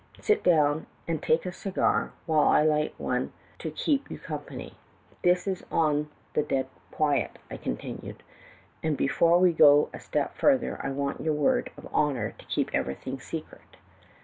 Sit down and take a cigar, while I light one to keep you company.' "'This is on the dead quiet,' I continued; 'and before we go a step further I want your word of honor to keep everything secret.